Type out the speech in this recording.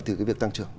từ cái việc tăng trưởng